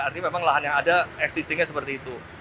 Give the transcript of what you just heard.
artinya memang lahan yang ada existingnya seperti itu